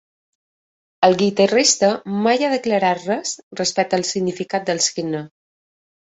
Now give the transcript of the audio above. El guitarrista mai ha declarat res respecte al significat del signe.